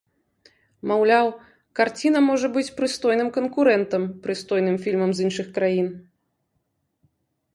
Маўляў, карціна можа быць прыстойным канкурэнтам прыстойным фільмам з іншых краін.